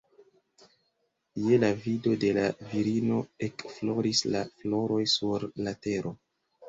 Je la vido de la virino ekfloris la floroj sur la tero